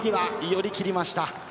寄り切りました。